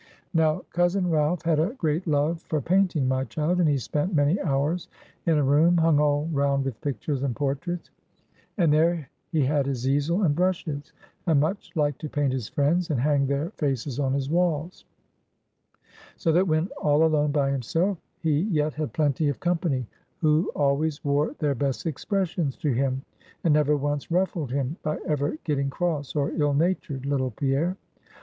"Now, cousin Ralph had a great love for painting, my child; and he spent many hours in a room, hung all round with pictures and portraits; and there he had his easel and brushes; and much liked to paint his friends, and hang their faces on his walls; so that when all alone by himself, he yet had plenty of company, who always wore their best expressions to him, and never once ruffled him, by ever getting cross or ill natured, little Pierre.